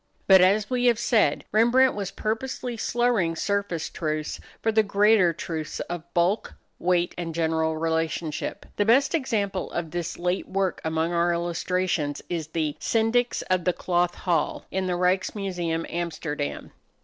But, as we have said, Rembrandt was purposely slurring surface truths for the greater truths of bulk, weight, and general relationship. The best example of this late work among our illustrations is the "Syndics of the Cloth Hall," in the Ryks Museum, Amsterdam.